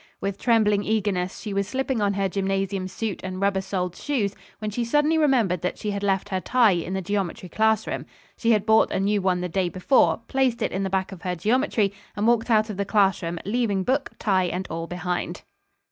With trembling eagerness she was slipping on her gymnasium suit and rubber soled shoes, when she suddenly remembered that she had left her tie in the geometry classroom. She had bought a new one the day before, placed it in the back of her geometry and walked out of the classroom, leaving book, tie and all behind.